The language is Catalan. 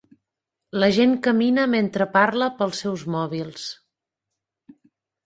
La gent camina mentre parla pels seus mòbils.